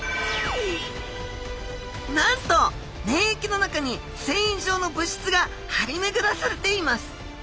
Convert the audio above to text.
なんと粘液の中に繊維状の物質がはりめぐらされています。